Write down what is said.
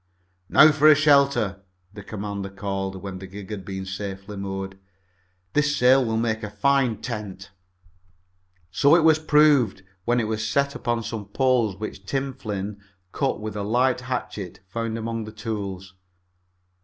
"Now for a shelter!" the commander called, when the gig had been safely moored. "This sail will make a fine tent." So it proved when it was set up on some poles which Tim Flynn cut with a light hatchet found among the tools.